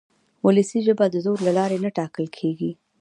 وولسي ژبه د زور له لارې نه ټاکل کېږي.